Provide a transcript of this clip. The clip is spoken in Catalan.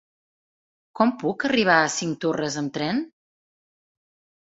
Com puc arribar a Cinctorres amb tren?